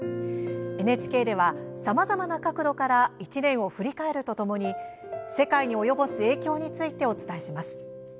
ＮＨＫでは、さまざまな角度から１年を振り返るとともに世界に及ぼす影響についてお伝えします。